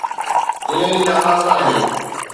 ائين ئي ناراض آهي.